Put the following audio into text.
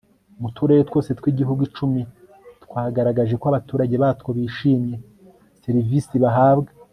mu turere twose tw'igihugu icumi twagaragaje ko abaturage batwo bishimiye serivisi bahabwa